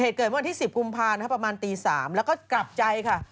เหตุเกิดเมื่อวันที่๑๐กุมพาประมาณตี๓แล้วก็กลับใจค่ะ